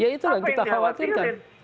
ya itulah yang kita khawatirkan